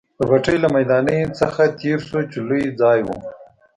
د بټۍ له میدانۍ نه تېر شوو، چې لوی ځای وو.